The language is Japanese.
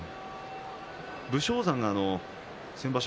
武将山が先場所